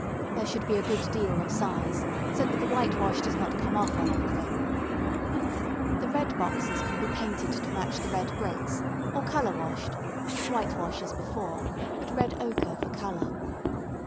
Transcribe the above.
There should be a good deal of size so that the whitewash does not come off on every thing. The red boxes can be painted to match the red bricks, or colour washed (whitewash as before, but red ochre for colour).